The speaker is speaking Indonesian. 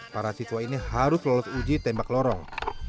para siswa ini harus lolos uji tembak lorong